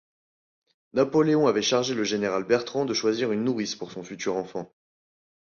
Napoléon avait chargé le général Bertrand de choisir une nourrice pour son futur enfant.